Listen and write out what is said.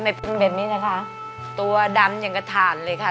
เป็นแบบนี้นะคะตัวดำอย่างกระถาดเลยค่ะ